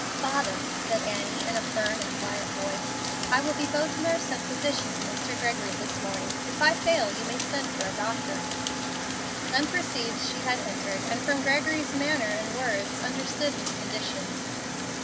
"Father," said Annie, in a firm and quiet voice, "I will be both nurse and physician to Mr. Gregory this morning. If I fail, you may send for a doctor." Unperceived she had entered, and from Gregory's manner and words understood his condition.